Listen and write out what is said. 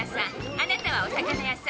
あなたはお魚屋さん。